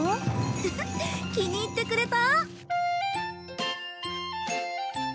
フフッ気に入ってくれた？